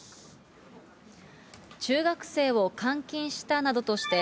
中学生を監禁したなどとして、